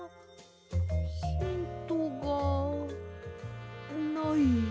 ヒントがない。